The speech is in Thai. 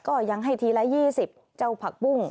ก็ยังให้ทีละ๒๐เจ้าผักปุ้ง